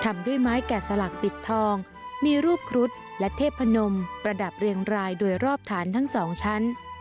ด้วยไม้แก่สลักปิดทองมีรูปครุฑและเทพนมประดับเรียงรายโดยรอบฐานทั้งสองชั้น